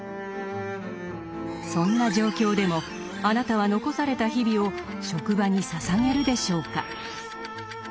そんな状況でもあなたは残された日々を職場に捧げるでしょうか？